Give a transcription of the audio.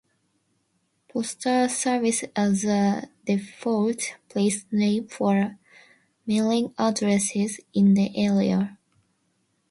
Postal Service as the "default" place name for mailing addresses in the area.